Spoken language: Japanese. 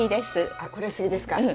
あっこれ杉ですか？